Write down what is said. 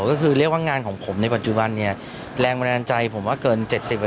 ก็คือเรียกว่างานของผมในปัจจุบันเนี่ยแรงบันดาลใจผมว่าเกิน๗๐